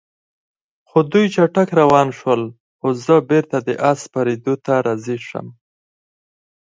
خو دوی چټک روان شول، څو زه بېرته د آس سپرېدو ته راضي شم.